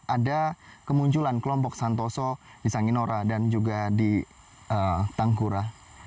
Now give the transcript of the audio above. ada kemunculan kelompok santoso di sanginora dan juga di tangkura